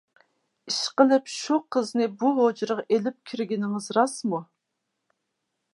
ئىشقىلىپ شۇ قىزنى بۇ ھۇجرىغا ئېلىپ كىرگىنىڭىز راستمۇ؟